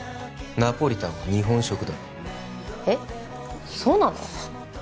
ナポリタンは日本食だえっそうなの？